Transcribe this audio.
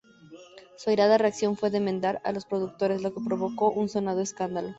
Su airada reacción fue demandar a los productores, lo que provocó un sonado escándalo.